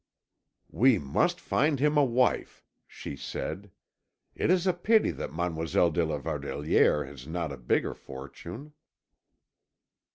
"We must find him a wife," she said. "It is a pity that Mademoiselle de la Verdelière has not a bigger fortune."